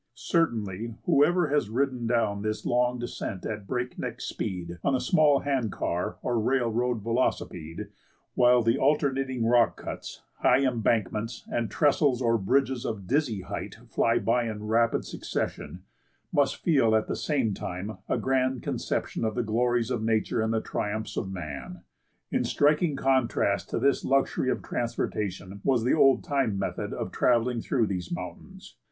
Certainly, whoever has ridden down this long descent at breakneck speed, on a small hand car, or railway velocipede, while the alternating rock cuts, high embankments, and trestles or bridges of dizzy height fly by in rapid succession, must feel at the same time a grand conception of the glories of nature and the triumphs of man. In striking contrast to this luxury of transportation was the old time method of travelling through these mountains.